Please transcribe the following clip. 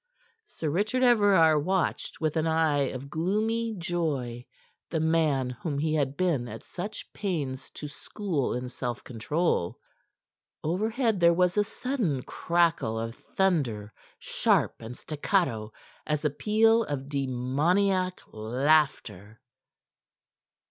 Sir Richard Everard watched with an eye of gloomy joy the man whom he had been at such pains to school in self control. Overhead there was a sudden crackle of thunder, sharp and staccato as a peal of demoniac laughter.